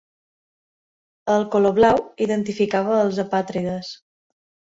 El color blau identificava els apàtrides.